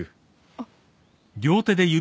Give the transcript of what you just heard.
あっ。